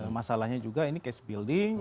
masalahnya juga ini case building